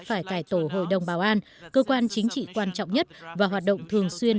phải cải tổ hội đồng bảo an cơ quan chính trị quan trọng nhất và hoạt động thường xuyên